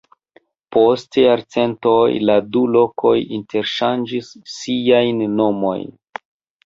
Post jarcentoj la du lokoj interŝanĝis siajn nomojn.